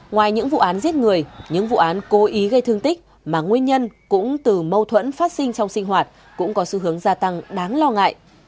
ngoài những vụ án giết người những vụ án cố ý gây thương tích mà nguyên nhân cũng từ mâu thuẫn phát sinh trong sinh hoạt cũng có xu hướng gia tăng đáng lo ngại